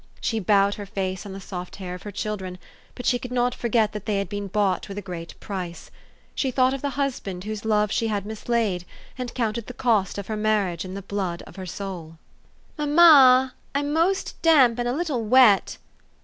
She bowed her face on the soft hair of her children ; but she could not forget that they had been bought with a great price. She thought of the husband whose love she had mislaid, and counted the cost of her marriage in the blood of her soul. 376 THE STORY OF AVIS. " Mamma, I'm most damp and a little wet.'